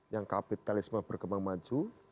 yang kapitalisme berkembang maju